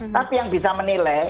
tapi yang bisa menilai